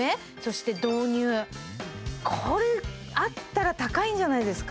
これあったら高いんじゃないですか？